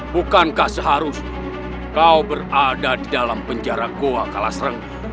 bukankah seharusnya kau berada di dalam penjara goa kalas reng